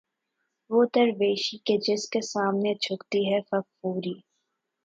وہ درویشی کہ جس کے سامنے جھکتی ہے فغفوری